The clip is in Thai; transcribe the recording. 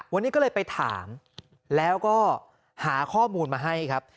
วันนี้ก็เลยไปถามแล้วก็หาข้อมูลมาให้ครับ